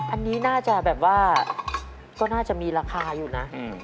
อันนี้น่าจะแบบว่าก็น่าจะมีราคาอยู่นะ